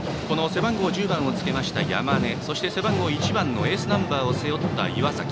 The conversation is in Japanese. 背番号１０番をつけました山根そして背番号１番エースナンバーを背負った岩崎。